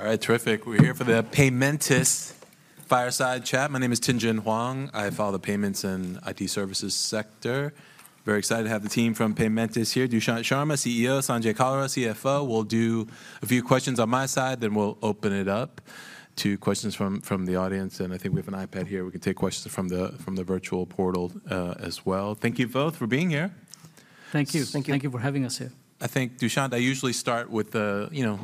All right, terrific. We're here for the Paymentus fireside chat. My name is Tien-tsin Huang. I follow the payments and IT services sector. Very excited to have the team from Paymentus here: Dushyant Sharma, CEO; Sanjay Kalra, CFO. We'll do a few questions on my side, then we'll open it up to questions from the audience, and I think we have an iPad here. We can take questions from the virtual portal as well. Thank you both for being here. Thank you. Thank you. Thank you for having us here. I think, Dushyant, I usually start with the, you know.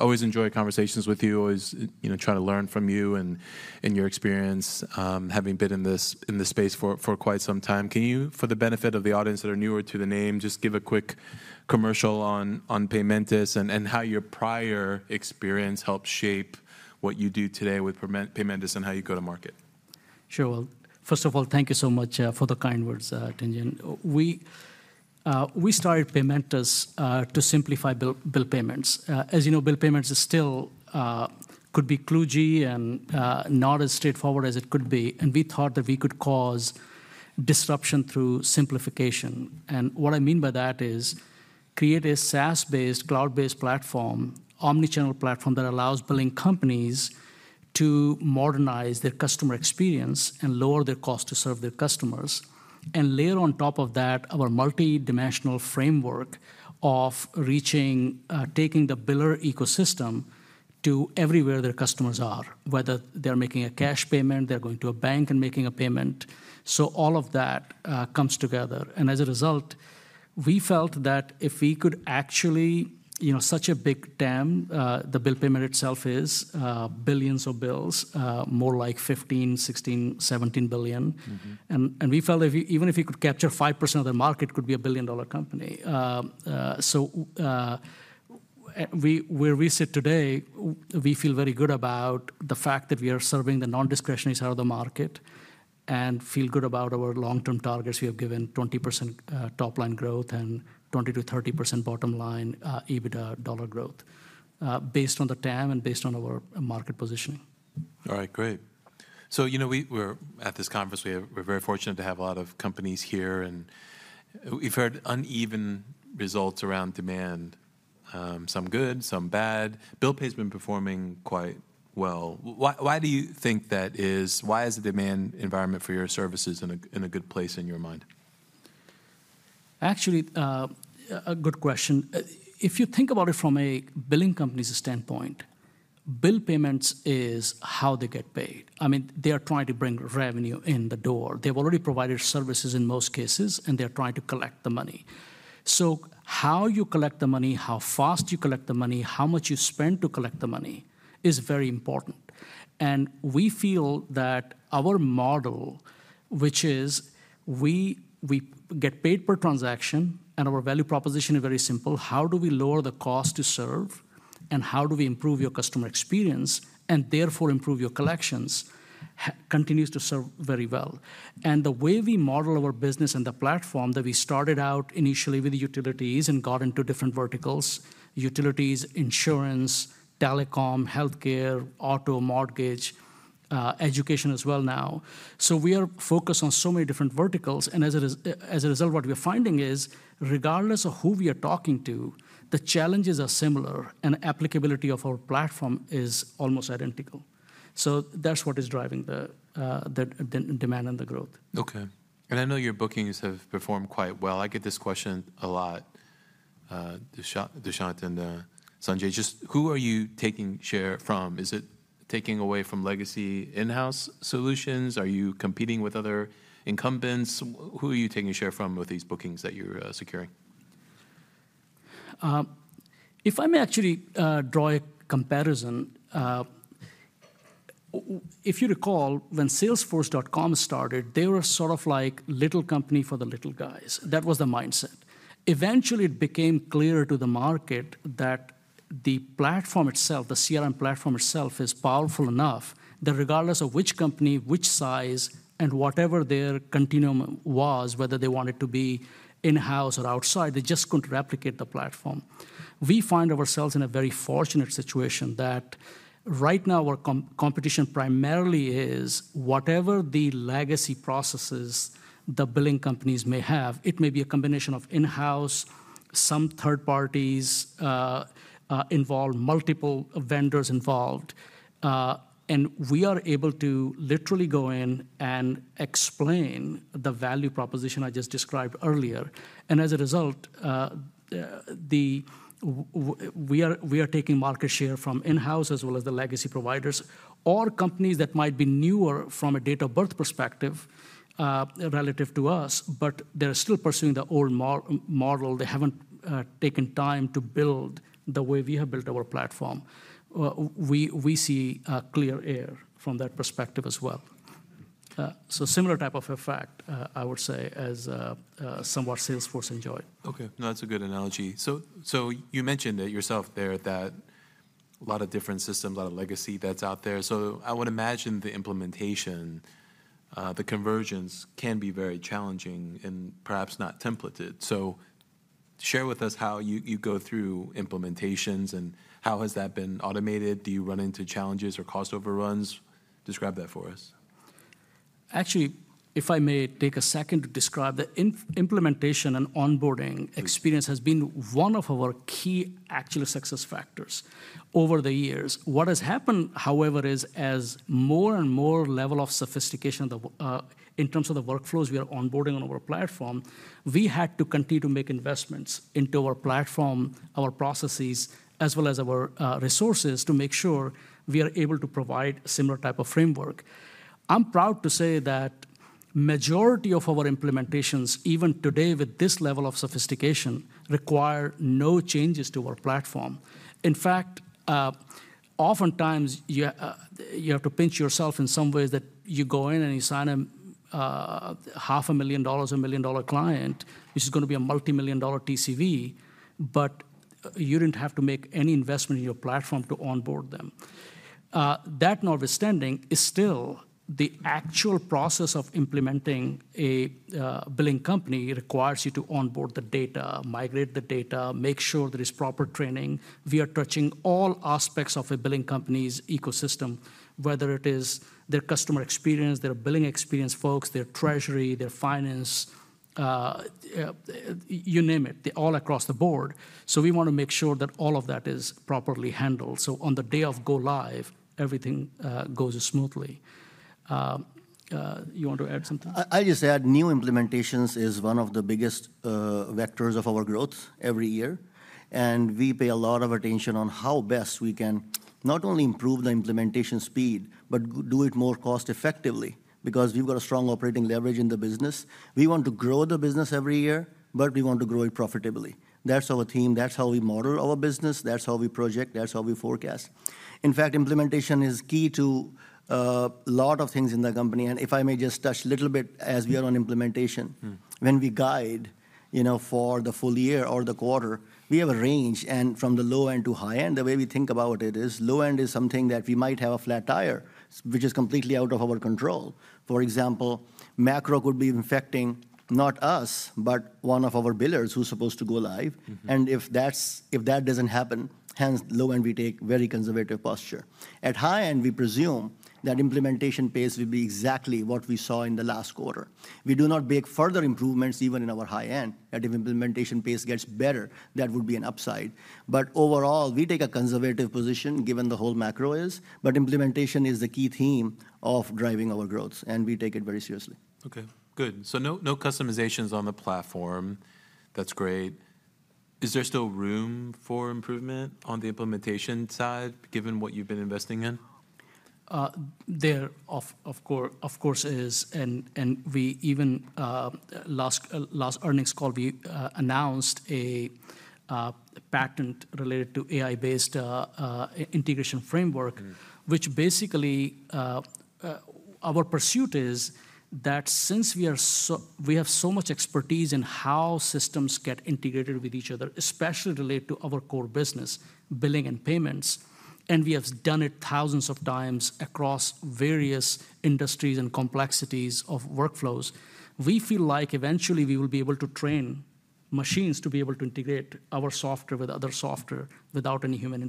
Always enjoy conversations with you, always, you know, try to learn from you and your experience, having been in this space for quite some time. Can you, for the benefit of the audience that are newer to the name, just give a quick commercial on Paymentus and how your prior experience helped shape what you do today with Paymentus and how you go to market? Sure, well, first of all, thank you so much for the kind words, Tien-tsin. We started Paymentus to simplify bill payments. As you know, bill payments is still could be kludgy and not as straightforward as it could be, and we thought that we could cause disruption through simplification. And what I mean by that is create a SaaS-based, cloud-based platform, omnichannel platform, that allows billing companies to modernize their customer experience and lower their cost to serve their customers. And layer on top of that our multi-dimensional framework of reaching, taking the biller ecosystem to everywhere their customers are, whether they're making a cash payment, they're going to a bank and making a payment. So all of that comes together, and as a result, we felt that if we could actually ...You know, such a big TAM, the bill payment itself is billions of bills, more like $15, 16, 17 billion. Mm-hmm. We felt if even if we could capture 5% of the market, it could be a billion-dollar company. Where we sit today, we feel very good about the fact that we are serving the non-discretionary side of the market and feel good about our long-term targets. We have given 20% top-line growth and 20%-30% bottom-line EBITDA dollar growth, based on the TAM and based on our market positioning. All right, great. So, you know, we're at this conference, we're very fortunate to have a lot of companies here, and we've heard uneven results around demand. Some good, some bad. bill pay's been performing quite well. Why, why do you think that is? Why is the demand environment for your services in a good place in your mind? Actually, a good question. If you think about it from a billing company's standpoint, bill payments is how they get paid. I mean, they are trying to bring revenue in the door. They've already provided services in most cases, and they're trying to collect the money. So how you collect the money, how fast you collect the money, how much you spend to collect the money is very important. And we feel that our model, which is, we get paid per transaction, and our value proposition is very simple: How do we lower the cost to serve, and how do we improve your customer experience and therefore improve your collections, continues to serve very well. And the way we model our business and the platform, that we started out initially with utilities and got into different verticals, utilities, insurance, telecom, healthcare, auto, mortgage, education as well now. So we are focused on so many different verticals, and as a result, what we're finding is, regardless of who we are talking to, the challenges are similar, and applicability of our platform is almost identical. So that's what is driving the demand and the growth. Okay. And I know your bookings have performed quite well. I get this question a lot, Dushyant and Sanjay, just who are you taking share from? Is it taking away from legacy in-house solutions? Are you competing with other incumbents? Who are you taking share from with these bookings that you're securing? If I may actually, draw a comparison, if you recall, when Salesforce.com started, they were sort of like little company for the little guys. That was the mindset. Eventually, it became clear to the market that the platform itself, the CRM platform itself, is powerful enough that regardless of which company, which size, and whatever their continuum was, whether they wanted to be in-house or outside, they just couldn't replicate the platform. We find ourselves in a very fortunate situation that right now our competition primarily is whatever the legacy processes the billing companies may have. It may be a combination of in-house, some third parties involved, multiple vendors involved, and we are able to literally go in and explain the value proposition I just described earlier. As a result, we are taking market share from in-house, as well as the legacy providers or companies that might be newer from a date of birth perspective, relative to us, but they're still pursuing the old model. They haven't taken time to build the way we have built our platform. We see clear air from that perspective as well. Similar type of effect, I would say, as somewhat Salesforce enjoyed. Okay. No, that's a good analogy. So, so you mentioned it yourself there, that a lot of different systems, a lot of legacy that's out there, so I would imagine the implementation, the conversions can be very challenging and perhaps not templated. So share with us how you, you go through implementations, and how has that been automated? Do you run into challenges or cost overruns? Describe that for us. Actually, if I may take a second to describe, the implementation and onboarding experience has been one of our key actual success factors over the years. What has happened, however, is as more and more level of sophistication of the, in terms of the workflows we are onboarding on our platform, we had to continue to make investments into our platform, our processes, as well as our resources, to make sure we are able to provide a similar type of framework. I'm proud to say that majority of our implementations, even today with this level of sophistication, require no changes to our platform. In fact, oftentimes, you have to pinch yourself in some ways that you go in and you sign a $500,000, a 1 million-dollar client, which is gonna be a multimillion-dollar TCV, but you didn't have to make any investment in your platform to onboard them. That notwithstanding, is still the actual process of implementing a billing company requires you to onboard the data, migrate the data, make sure there is proper training. We are touching all aspects of a billing company's ecosystem, whether it is their customer experience, their billing experience folks, their treasury, their finance, you name it, all across the board. So we want to make sure that all of that is properly handled, so on the day of go live, everything goes smoothly. You want to add something? I just add, new implementations is one of the biggest vectors of our growth every year, and we pay a lot of attention on how best we can not only improve the implementation speed, but do it more cost-effectively. Because we've got a strong operating leverage in the business. We want to grow the business every year, but we want to grow it profitably. That's our theme. That's how we model our business. That's how we project. That's how we forecast. In fact, implementation is key to a lot of things in the company, and if I may just touch a little bit as we are on implementation- Mm. When we guide, you know, for the full year or the quarter, we have a range, and from the low end to high end, the way we think about it is low end is something that we might have a flat tire, which is completely out of our control. For example, macro could be affecting not us, but one of our billers who's supposed to go live. Mm-hmm. And if that doesn't happen, hence low end, we take very conservative posture. At high end, we presume that implementation pace will be exactly what we saw in the last quarter. We do not make further improvements even in our high end. And if implementation pace gets better, that would be an upside. But overall, we take a conservative position given the whole macro is, but implementation is the key theme of driving our growth, and we take it very seriously. Okay, good. So no, no customizations on the platform. That's great. Is there still room for improvement on the implementation side, given what you've been investing in? Of course there is, and we even last earnings call, we announced a patent related to AI-based integration framework- Mm... which basically, our pursuit is that since we have so much expertise in how systems get integrated with each other, especially related to our core business, billing and payments, and we have done it thousands of times across various industries and complexities of workflows, we feel like eventually we will be able to train machines to be able to integrate our software with other software without any human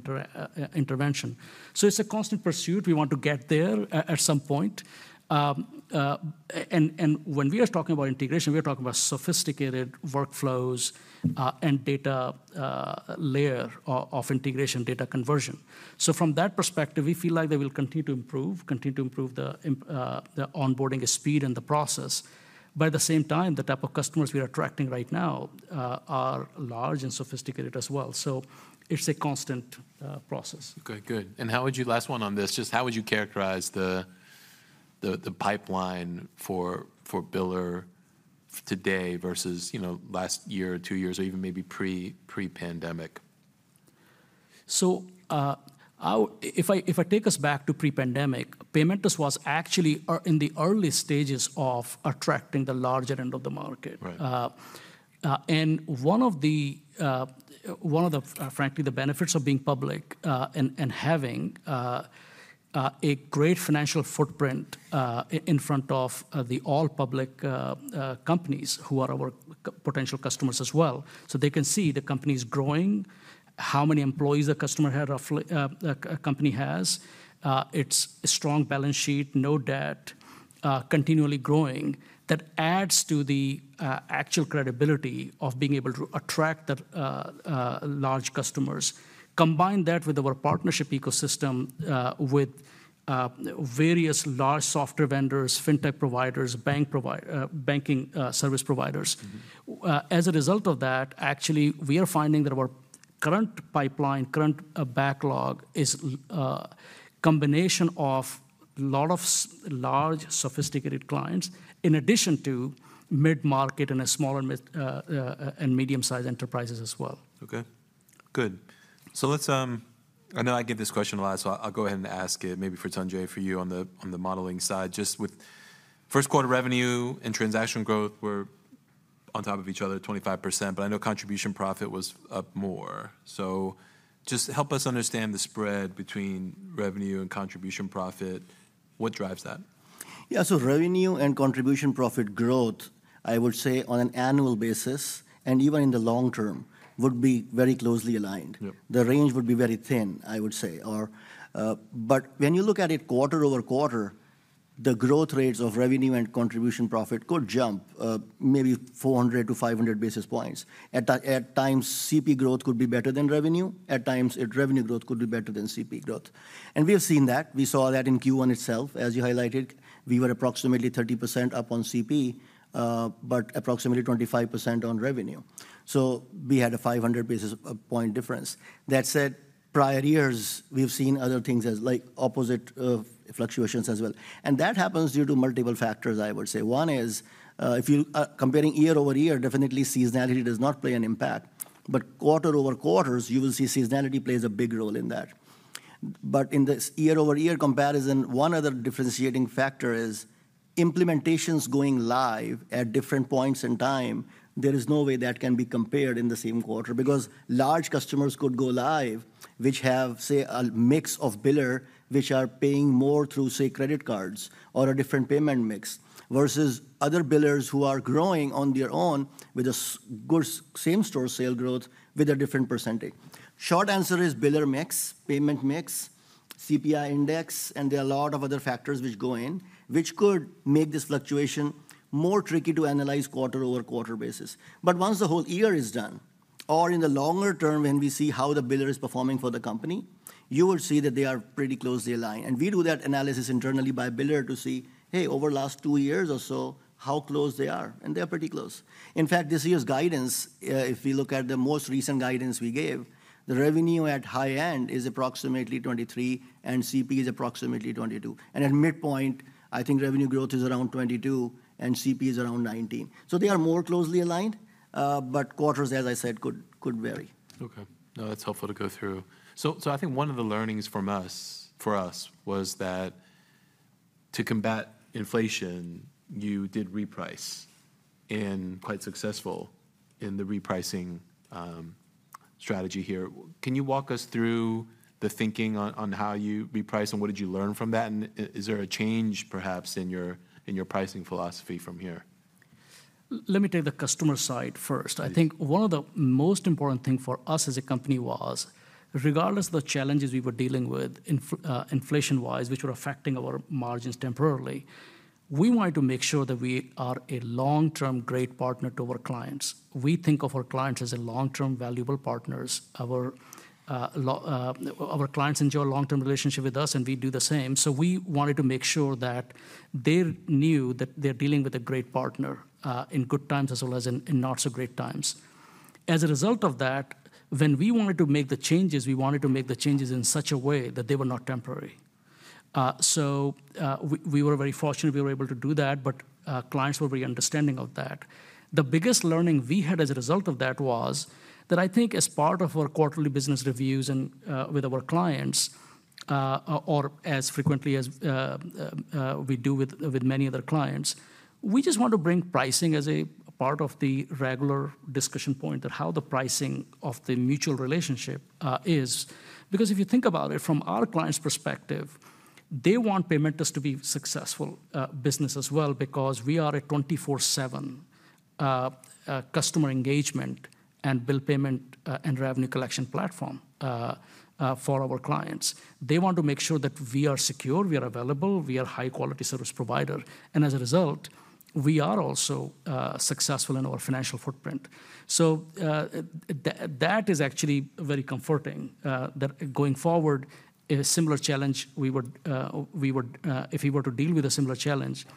intervention. So it's a constant pursuit. We want to get there at some point. And when we are talking about integration, we are talking about sophisticated workflows, and data layer of integration, data conversion. So from that perspective, we feel like they will continue to improve, continue to improve the onboarding speed and the process. But at the same time, the type of customers we are attracting right now are large and sophisticated as well, so it's a constant process. Okay, good. And how would you... Last one on this, just how would you characterize the pipeline for billers today versus, you know, last year or two years, or even maybe pre-pandemic? So, if I take us back to pre-pandemic, Paymentus was actually in the early stages of attracting the larger end of the market. Right. And one of the, frankly, the benefits of being public, and having a great financial footprint in front of all public companies who are our potential customers as well, so they can see the company's growing, how many employees a customer had or a company has, its strong balance sheet, no debt, continually growing. That adds to the actual credibility of being able to attract the large customers. Combine that with our partnership ecosystem with various large software vendors, fintech providers, banking service providers. Mm-hmm. As a result of that, actually, we are finding that our current pipeline and backlog is a combination of a lot of large, sophisticated clients, in addition to mid-market and small and medium-sized enterprises as well. Okay. Good. So let's. I know I get this question a lot, so I'll go ahead and ask it, maybe for Sanjay, for you on the, on the modeling side. Just with first quarter revenue and transaction growth were on top of each other, 25%, but I know contribution profit was up more. So just help us understand the spread between revenue and contribution profit. What drives that? Yeah, so revenue and contribution profit growth, I would say on an annual basis, and even in the long term, would be very closely aligned. Yep. The range would be very thin, I would say. Or, but when you look at it quarter-over-quarter, the growth rates of revenue and contribution profit could jump, maybe 400-500 basis points. At times, CP growth could be better than revenue. At times, revenue growth could be better than CP growth, and we have seen that. We saw that in Q1 itself. As you highlighted, we were approximately 30% up on CP, but approximately 25% on revenue. So we had a 500 basis point difference. That said, prior years, we've seen other things as like opposite fluctuations as well, and that happens due to multiple factors, I would say. One is, if you are comparing year-over-year, definitely seasonality does not play an impact. But quarter over quarter, you will see seasonality plays a big role in that. But in this year-over-year comparison, one other differentiating factor is implementations going live at different points in time. There is no way that can be compared in the same quarter, because large customers could go live, which have, say, a mix of billers, which are paying more through, say, credit cards or a different payment mix, versus other billers who are growing on their own with a good same-store sales growth with a different percentage. Short answer is biller mix, payment mix, CPI index, and there are a lot of other factors which go in, which could make this fluctuation more tricky to analyze on a quarter-over-quarter basis. But once the whole year is done, or in the longer term, when we see how the biller is performing for the company, you will see that they are pretty closely aligned. And we do that analysis internally by biller to see, hey, over last two years or so, how close they are, and they are pretty close. In fact, this year's guidance, if we look at the most recent guidance we gave, the revenue at high end is approximately 23%, and CP is approximately 22%. And at midpoint, I think revenue growth is around 22%, and CP is around 19%. So they are more closely aligned, but quarters, as I said, could vary. Okay. No, that's helpful to go through. So, I think one of the learnings from us, for us, was that to combat inflation, you did reprice and quite successful in the repricing, strategy here. Can you walk us through the thinking on how you repriced, and what did you learn from that? And is there a change, perhaps, in your pricing philosophy from here? Let me take the customer side first. Yeah. I think one of the most important thing for us as a company was, regardless of the challenges we were dealing with inflation-wise, which were affecting our margins temporarily, we wanted to make sure that we are a long-term, great partner to our clients. We think of our clients as a long-term, valuable partners. Our our clients enjoy a long-term relationship with us, and we do the same, so we wanted to make sure that they knew that they're dealing with a great partner, in good times as well as in not so great times. As a result of that, when we wanted to make the changes, we wanted to make the changes in such a way that they were not temporary. So, we were very fortunate we were able to do that, but clients were very understanding of that. The biggest learning we had as a result of that was that I think as part of our quarterly business reviews and with our clients, or as frequently as we do with many other clients, we just want to bring pricing as a part of the regular discussion point of how the pricing of the mutual relationship is. Because if you think about it from our clients' perspective, they want Paymentus to be successful business as well, because we are a 24/7 customer engagement and bill payment and revenue collection platform for our clients. They want to make sure that we are secure, we are available, we are high-quality service provider, and as a result, we are also successful in our financial footprint. So, that is actually very comforting, that going forward, a similar challenge, we would, we would. If we were to deal with a similar challenge,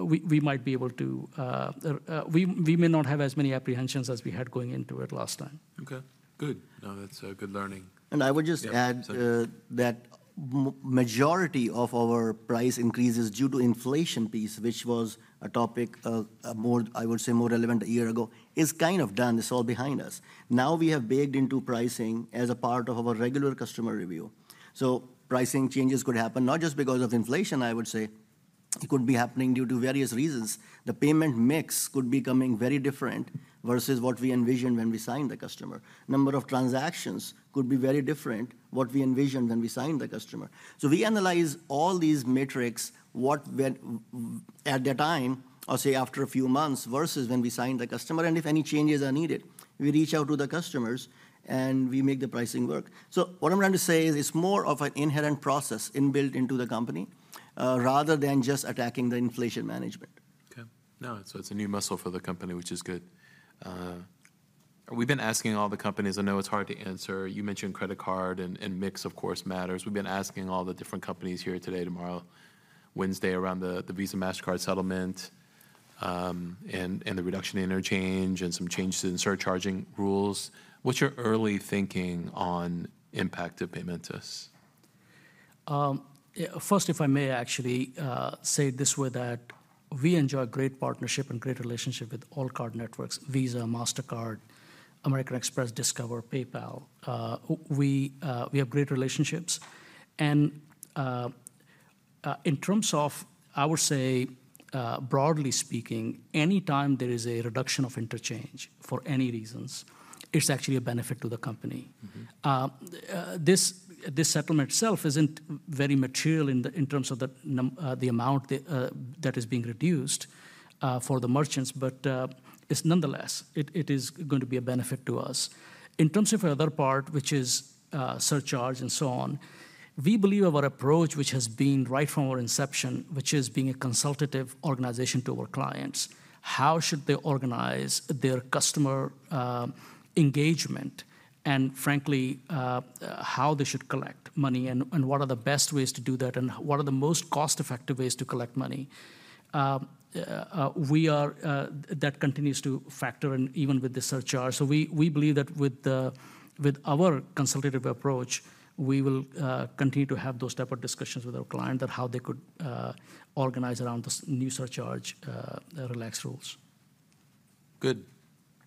we, we might be able to, we, we may not have as many apprehensions as we had going into it last time. Okay, good. No, that's good learning. I would just add- Yeah... that majority of our price increase is due to inflation piece, which was a topic, more, I would say, more relevant a year ago, is kind of done. It's all behind us. Now, we have baked into pricing as a part of our regular customer review. So pricing changes could happen not just because of inflation, I would say, it could be happening due to various reasons. The payment mix could be becoming very different versus what we envisioned when we signed the customer. Number of transactions could be very different, what we envisioned when we signed the customer. So we analyze all these metrics, at that time, or say after a few months, versus when we signed the customer, and if any changes are needed, we reach out to the customers, and we make the pricing work. So what I'm trying to say is more of an inherent process inbuilt into the company, rather than just attacking the inflation management. Okay. No, so it's a new muscle for the company, which is good. We've been asking all the companies, I know it's hard to answer. You mentioned credit card, and mix, of course, matters. We've been asking all the different companies here today, tomorrow, Wednesday, around the Visa, Mastercard settlement, and the reduction in interchange and some changes in surcharging rules. What's your early thinking on impact to Paymentus? First, if I may actually say this way, that we enjoy a great partnership and great relationship with all card networks: Visa, Mastercard, American Express, Discover, PayPal. We have great relationships, and in terms of, I would say, broadly speaking, anytime there is a reduction of interchange for any reasons, it's actually a benefit to the company. Mm-hmm. This settlement itself isn't very material in terms of the amount that is being reduced for the merchants, but it's nonetheless going to be a benefit to us. In terms of the other part, which is surcharge and so on, we believe our approach, which has been right from our inception, which is being a consultative organization to our clients, how should they organize their customer engagement, and frankly, how they should collect money, and what are the best ways to do that, and what are the most cost-effective ways to collect money? That continues to factor in even with the surcharge. So we believe that with our consultative approach, we will continue to have those type of discussions with our client on how they could organize around the new surcharge relaxed rules. Good.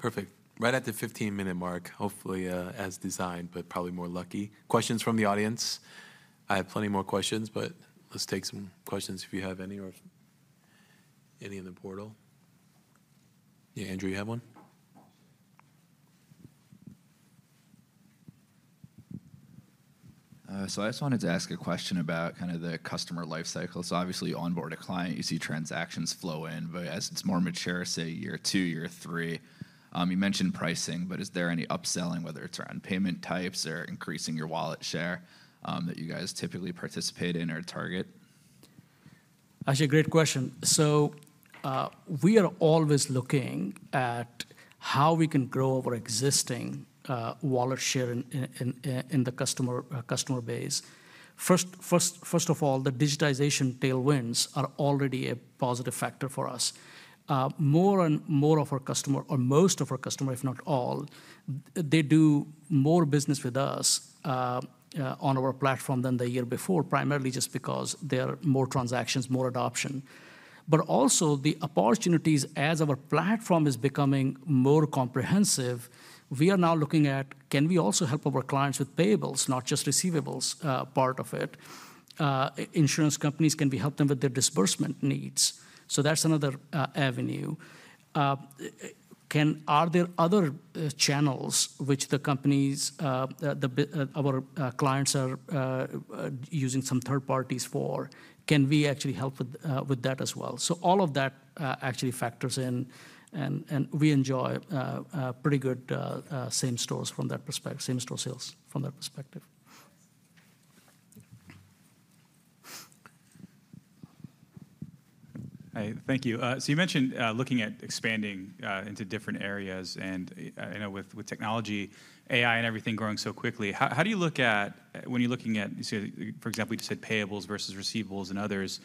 Perfect. Right at the 15-minute mark, hopefully, as designed, but probably more lucky. Questions from the audience? I have plenty more questions, but let's take some questions if you have any, or any in the portal. Yeah, Andrew, you have one? So I just wanted to ask a question about kind of the customer life cycle. So obviously, you onboard a client, you see transactions flow in, but as it's more mature, say, year two, year three, you mentioned pricing, but is there any upselling, whether it's around payment types or increasing your wallet share, that you guys typically participate in or target? Actually, a great question. So, we are always looking at how we can grow our existing wallet share in the customer base. First of all, the digitization tailwinds are already a positive factor for us. More and more of our customers, or most of our customers, if not all, they do more business with us on our platform than the year before, primarily just because there are more transactions, more adoption. But also, the opportunities as our platform is becoming more comprehensive, we are now looking at, can we also help our clients with payables, not just receivables, part of it? Insurance companies, can we help them with their disbursement needs? So that's another avenue. Are there other channels which the companies, our clients are using some third parties for? Can we actually help with, with that as well? So all of that actually factors in, and, and we enjoy a pretty good same-store sales from that perspective. Hi, thank you. So you mentioned looking at expanding into different areas, and you know, with technology, AI, and everything growing so quickly, how do you look at... When you're looking at, say, for example, you just said payables versus receivables and others,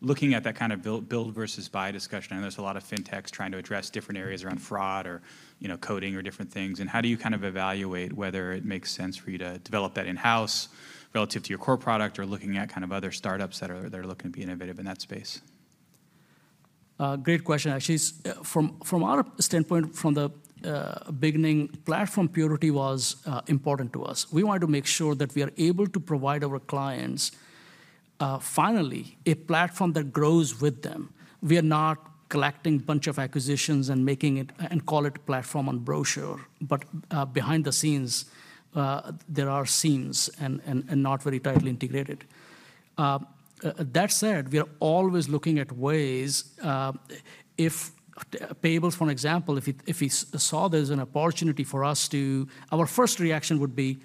looking at that kind of build versus buy discussion, I know there's a lot of fintechs trying to address different areas around fraud or, you know, coding or different things. And how do you kind of evaluate whether it makes sense for you to develop that in-house relative to your core product or looking at kind of other startups that are looking to be innovative in that space? Great question. Actually, from our standpoint, from the beginning, platform purity was important to us. We wanted to make sure that we are able to provide our clients, finally, a platform that grows with them. We are not collecting bunch of acquisitions and making it a platform on brochure, but behind the scenes, there are seams and not very tightly integrated. That said, we are always looking at ways, if payables, for example, if we saw there's an opportunity for us to do. Our first reaction would be: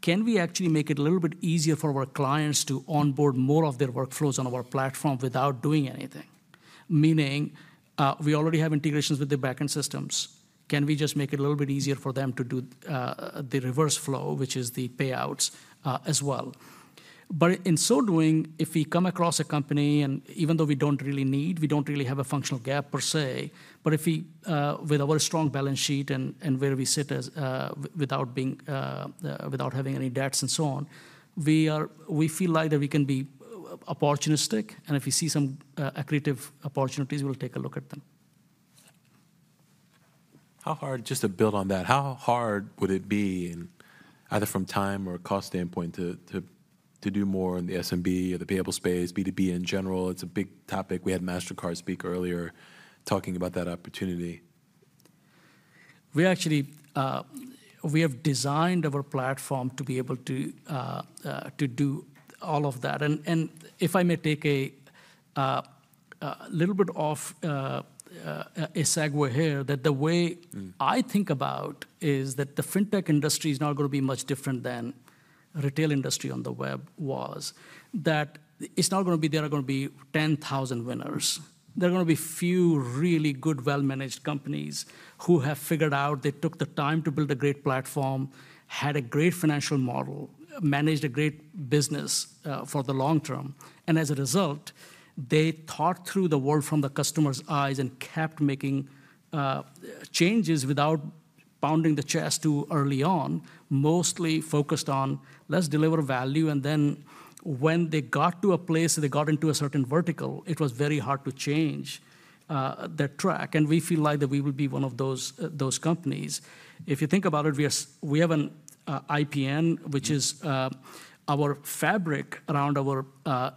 Can we actually make it a little bit easier for our clients to onboard more of their workflows on our platform without doing anything? Meaning, we already have integrations with their backend systems. Can we just make it a little bit easier for them to do the reverse flow, which is the payouts, as well? But in so doing, if we come across a company, and even though we don't really need, we don't really have a functional gap per se, but if we, with our strong balance sheet and where we sit as without being without having any debts and so on, we feel like that we can be opportunistic, and if we see some accretive opportunities, we'll take a look at them. Just to build on that, how hard would it be, and either from time or cost standpoint, to do more in the SMB or the payable space, B2B in general? It's a big topic. We had Mastercard speak earlier talking about that opportunity. We actually, we have designed our platform to be able to do all of that. And if I may take a little bit of a segue here, that the way- Mm... I think about is that the fintech industry is not going to be much different than retail industry on the web was. That it's not going to be there are going to be 10,000 winners. There are going to be few really good, well-managed companies who have figured out they took the time to build a great platform, had a great financial model, managed a great business, for the long term, and as a result, they thought through the world from the customer's eyes and kept making, changes without pounding the chest too early on, mostly focused on, "Let's deliver value." And then when they got to a place, they got into a certain vertical, it was very hard to change, their track, and we feel like that we would be one of those, those companies. If you think about it, we are. We have an IPN, which is our fabric around our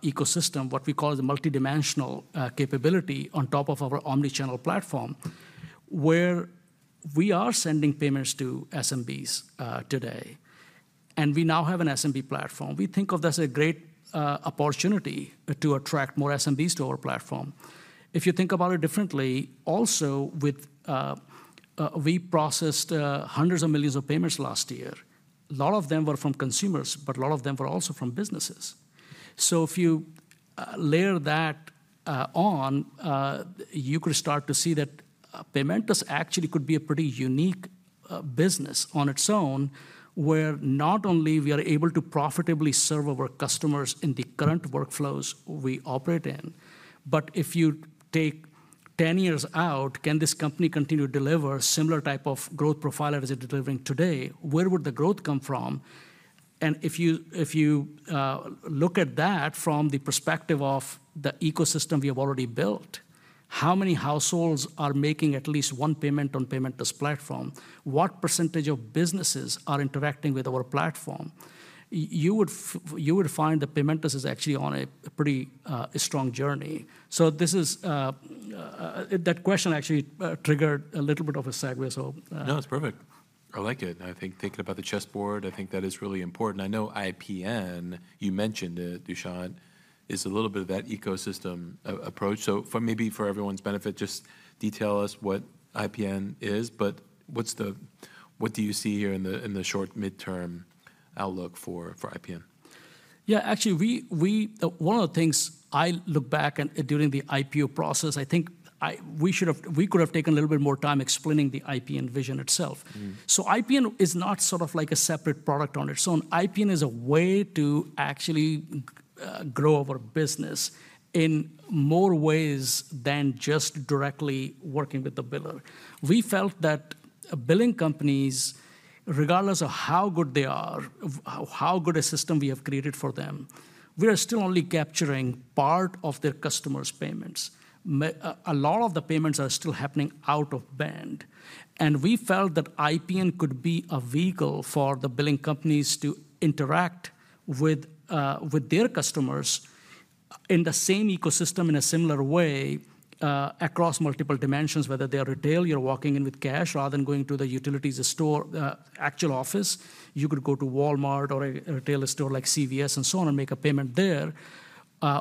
ecosystem, what we call the multidimensional capability on top of our omni-channel platform, where we are sending payments to SMBs today, and we now have an SMB platform. We think of this as a great opportunity to attract more SMBs to our platform. If you think about it differently, also, with we processed hundreds of millions of payments last year. A lot of them were from consumers, but a lot of them were also from businesses. So if you layer that on, you could start to see that Paymentus actually could be a pretty unique business on its own, where not only we are able to profitably serve our customers in the current workflows we operate in, but if you take 10 years out, can this company continue to deliver similar type of growth profile as it's delivering today? Where would the growth come from? And if you look at that from the perspective of the ecosystem we have already built, how many households are making at least one payment on Paymentus Platform? What percentage of businesses are interacting with our platform? You would find that Paymentus is actually on a pretty strong journey. So this is... That question actually triggered a little bit of a segue, so- No, it's perfect. I like it. I think thinking about the chessboard, I think that is really important. I know IPN, you mentioned it, Dushyant, is a little bit of that ecosystem approach. So maybe for everyone's benefit, just detail us what IPN is, but what's what do you see here in the, in the short midterm outlook for, for IPN? Yeah, actually, one of the things I look back and during the IPO process, I think we should have—we could have taken a little bit more time explaining the IPN vision itself. Mm. So IPN is not sort of like a separate product on its own. IPN is a way to actually grow our business in more ways than just directly working with the biller. We felt that billing companies, regardless of how good they are, how good a system we have created for them, we are still only capturing part of their customers' payments. A lot of the payments are still happening out of band, and we felt that IPN could be a vehicle for the billing companies to interact with their customers in the same ecosystem, in a similar way, across multiple dimensions, whether they are retail, you're walking in with cash, rather than going to the utilities store, actual office. You could go to Walmart or a retailer store like CVS and so on, and make a payment there,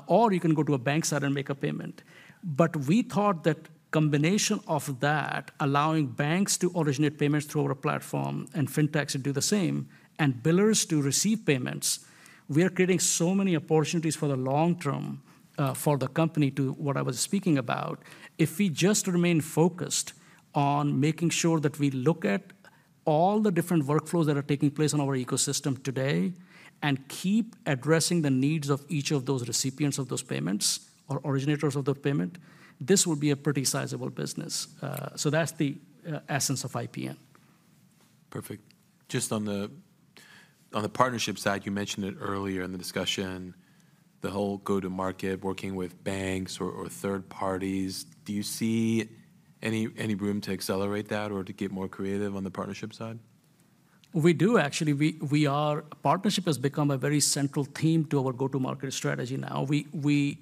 or you can go to a bank site and make a payment. But we thought that combination of that, allowing banks to originate payments through our platform, and fintechs to do the same, and billers to receive payments, we are creating so many opportunities for the long term, for the company to what I was speaking about. If we just remain focused on making sure that we look at all the different workflows that are taking place on our ecosystem today, and keep addressing the needs of each of those recipients of those payments or originators of the payment, this would be a pretty sizable business. So that's the essence of IPN. Perfect. Just on the, on the partnership side, you mentioned it earlier in the discussion, the whole go-to-market, working with banks or, or third parties. Do you see any, any room to accelerate that or to get more creative on the partnership side? We do, actually. Partnership has become a very central theme to our go-to-market strategy now. We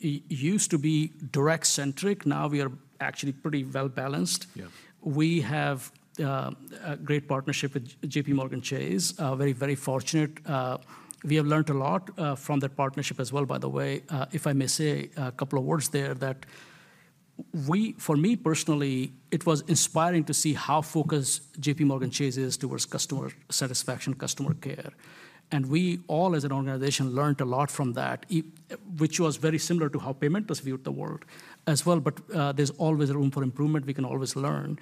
used to be direct-centric, now we are actually pretty well-balanced. Yeah. We have a great partnership with JPMorgan Chase. Very, very fortunate. We have learned a lot from that partnership as well, by the way. If I may say a couple of words there, that we... For me, personally, it was inspiring to see how focused JPMorgan Chase is towards customer satisfaction, customer care. And we all as an organization learned a lot from that, which was very similar to how Paymentus viewed the world as well. But there's always room for improvement. We can always learn.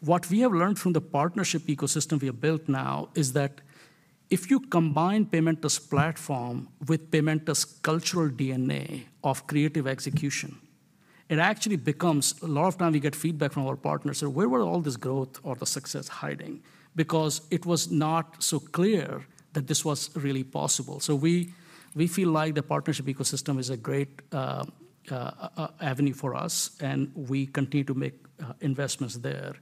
What we have learned from the partnership ecosystem we have built now is that if you combine Paymentus platform with Paymentus' cultural DNA of creative execution, it actually becomes... A lot of time, we get feedback from our partners say: "Where were all this growth or the success hiding?" Because it was not so clear that this was really possible. So we, we feel like the partnership ecosystem is a great avenue for us, and we continue to make investments there.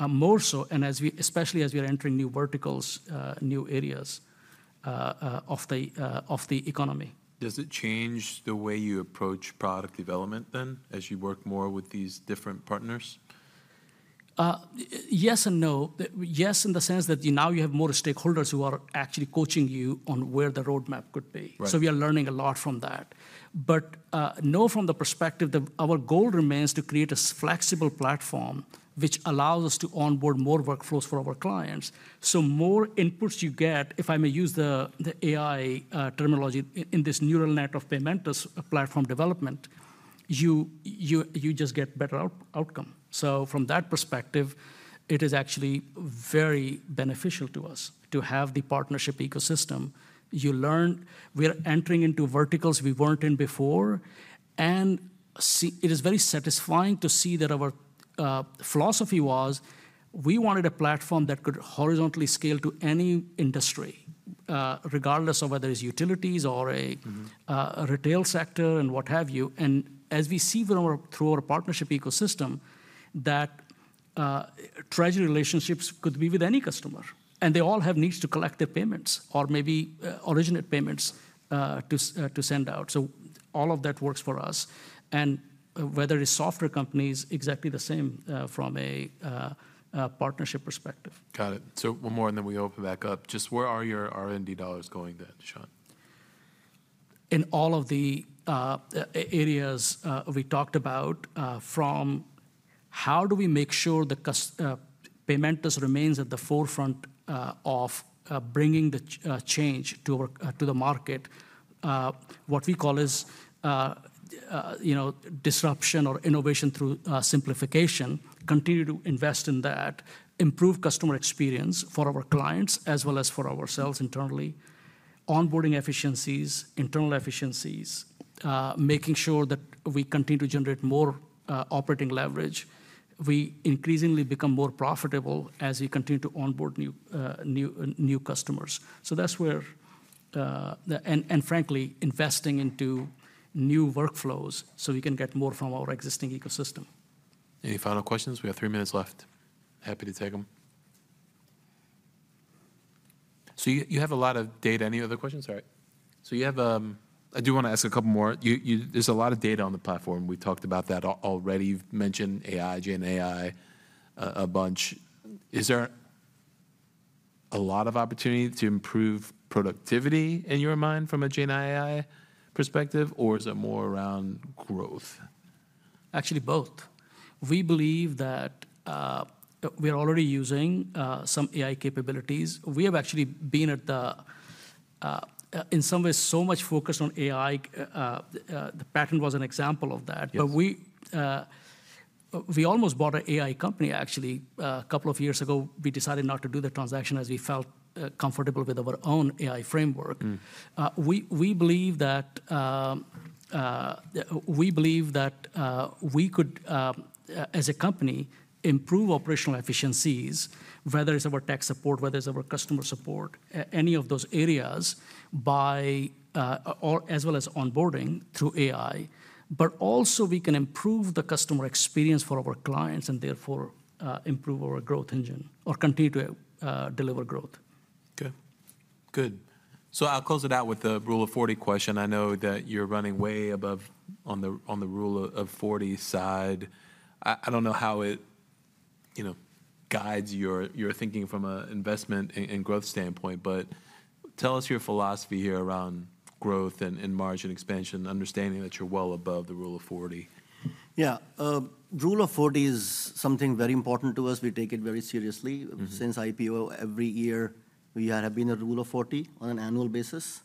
More so, and especially as we are entering new verticals, new areas of the economy. Does it change the way you approach product development then, as you work more with these different partners? Yes and no. Yes, in the sense that, now you have more stakeholders who are actually coaching you on where the roadmap could be. Right. So we are learning a lot from that. But, no, from the perspective that our goal remains to create a flexible platform, which allows us to onboard more workflows for our clients. So more inputs you get, if I may use the AI terminology, in this neural net of Paymentus platform development, you just get better outcome. So from that perspective, it is actually very beneficial to us to have the partnership ecosystem. You learn. We are entering into verticals we weren't in before, and see it is very satisfying to see that our philosophy was, we wanted a platform that could horizontally scale to any industry. Regardless of whether it's utilities or a- Mm-hmm... a retail sector and what have you. And as we see with our, through our partnership ecosystem, that treasury relationships could be with any customer, and they all have needs to collect their payments or maybe originate payments to to send out. So all of that works for us. And whether it's software companies, exactly the same from a a partnership perspective. Got it. One more, and then we open back up. Just where are your R&D dollars going then, Sanjay or Dushyant? In all of the areas we talked about, from how do we make sure Paymentus remains at the forefront of bringing the change to the market, what we call as, you know, disruption or innovation through simplification, continue to invest in that, improve customer experience for our clients as well as for ourselves internally, onboarding efficiencies, internal efficiencies, making sure that we continue to generate more operating leverage. We increasingly become more profitable as we continue to onboard new new customers. So that's where. And frankly, investing into new workflows so we can get more from our existing ecosystem. Any final questions? We have three minutes left. Happy to take 'em. So you have a lot of data. Any other questions? All right, so you have, I do want to ask a couple more. You, there's a lot of data on the platform. We've talked about that already. You've mentioned AI, GenAI, a bunch. Is there a lot of opportunity to improve productivity in your mind from a GenAI perspective, or is it more around growth? Actually, both. We believe that, we're already using some AI capabilities. We have actually been at the, in some ways, so much focused on AI. The pattern was an example of that. Yes. But we almost bought an AI company, actually, a couple of years ago. We decided not to do the transaction as we felt comfortable with our own AI framework. Mm. We believe that we could, as a company, improve operational efficiencies, whether it's our tech support, whether it's our customer support, any of those areas by, or as well as onboarding through AI. But also we can improve the customer experience for our clients and therefore, improve our growth engine or continue to deliver growth. Okay, good. So I'll close it out with the Rule of 40 question. I know that you're running way above on the Rule of 40 side. I don't know how it, you know, guides your thinking from an investment and growth standpoint, but tell us your philosophy here around growth and margin expansion, understanding that you're well above the Rule of 40. Yeah. Rule of 40 is something very important to us. We take it very seriously. Mm-hmm. Since IPO, every year, we have been a Rule of 40 on an annual basis.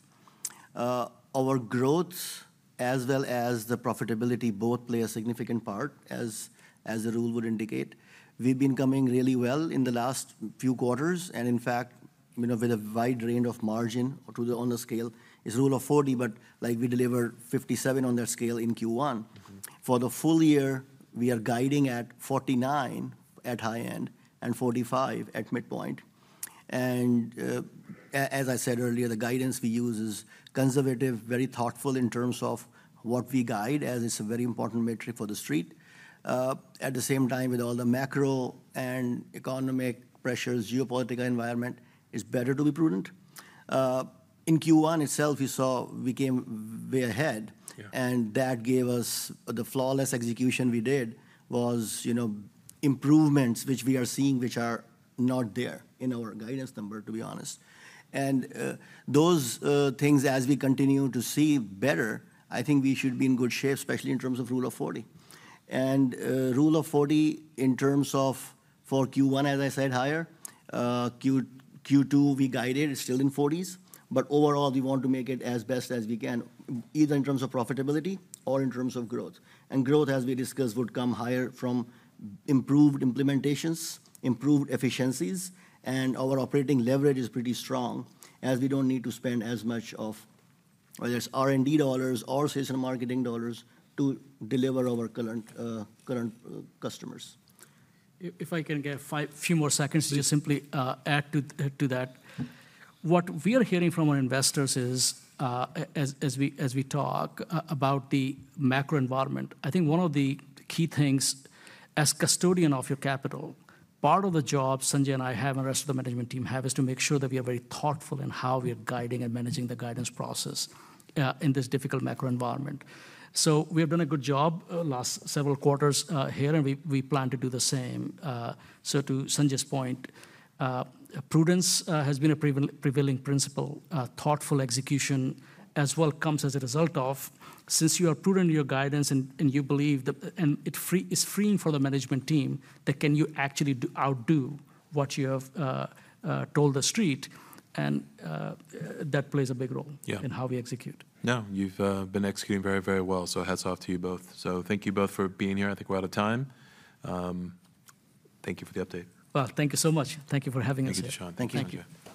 Our growth as well as the profitability both play a significant part, as, as the Rule would indicate. We've been coming really well in the last few quarters, and in fact, you know, with a wide range of margin to the- on the scale. It's Rule of 40, but, like, we delivered 57 on that scale in Q1. Mm-hmm. For the full year, we are guiding at 49 at high end and 45 at midpoint. As I said earlier, the guidance we use is conservative, very thoughtful in terms of what we guide, as it's a very important metric for the Street. At the same time, with all the macro and economic pressures, geopolitical environment, it's better to be prudent. In Q1 itself, you saw we came way ahead- Yeah... and that gave us the flawless execution we did was, you know, improvements which we are seeing, which are not there in our guidance number, to be honest. And those things, as we continue to see better, I think we should be in good shape, especially in terms of Rule of 40. And Rule of 40 in terms of for Q1, as I said, higher. Q2, Q2 we guided, it's still in forties, but overall, we want to make it as best as we can, either in terms of profitability or in terms of growth. And growth, as we discussed, would come higher from improved implementations, improved efficiencies, and our operating leverage is pretty strong, as we don't need to spend as much of whether it's R&D dollars or sales and marketing dollars to deliver our current, current customers. If I can get five, few more seconds- Please. - to just simply, add to, to that. What we are hearing from our investors is, as we talk about the macro environment, I think one of the key things, as custodian of your capital, part of the job Sanjay and I have, and the rest of the management team have, is to make sure that we are very thoughtful in how we are guiding and managing the guidance process, in this difficult macro environment. So we have done a good job, last several quarters, here, and we plan to do the same. So to Sanjay's point, prudence, has been a prevailing principle. Thoughtful execution as well comes as a result of, since you are prudent in your guidance and, you believe that... It's freeing for the management team that can you actually do outdo what you have told the Street, and that plays a big role- Yeah... in how we execute. No, you've been executing very, very well, so hats off to you both. Thank you both for being here. I think we're out of time. Thank you for the update. Well, thank you so much. Thank you for having us here. Thank you, so much. Thank you. Thank you, Sanjay.